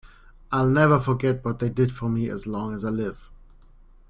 I'll never forget what they did for me, as long as I live.